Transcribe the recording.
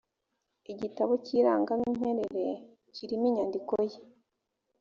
igitabo cy’irangamimerere kirimo inyandiko ye